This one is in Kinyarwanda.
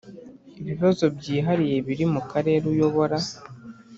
ibibazo byihariye biri mu Karere uyobora